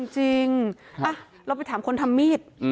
จริงเราไปถามคนทำมีด